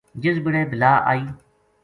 جس بِڑے بلا آئی